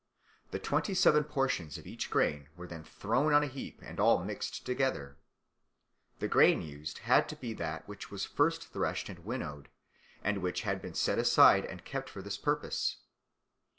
The twentyseven portions of each grain were then thrown on a heap and all mixed up together. The grain used had to be that which was first threshed and winnowed and which had been set aside and kept for this purpose.